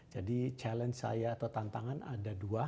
jadi tantangan saya ada dua